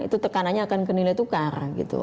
itu tekanannya akan ke nilai tukar gitu